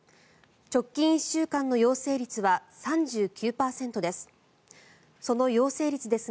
直近１週間の陽性率は３９％です。